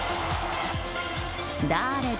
だーれだ？